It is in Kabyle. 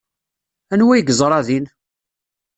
Anwa ay yeẓra din?